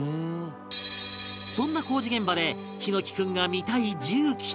そんな工事現場で枇乃樹君が見たい重機とは？